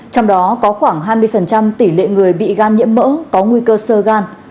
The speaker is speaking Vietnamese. trong đó có khoảng hai mươi tỷ lệ người bị gan nhiễm mỡ có nguy cơ sơ gan